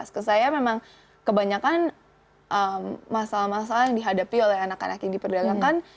karena menurut saya memang kebanyakan masalah masalah yang dihadapi oleh anak anak yang diperdagangkan